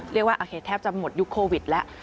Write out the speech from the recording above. เรียกว่าโอเคแทบจะหมดยุคโควิดแล้ว